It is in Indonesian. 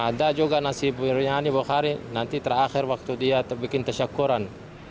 ada juga nasi biryani bukari nanti terakhir waktu dia bikin tasyakuran